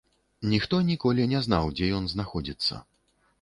Ніхто ніколі не знаў, дзе ён знаходзіцца.